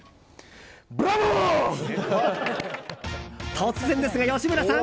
突然ですが、吉村さん。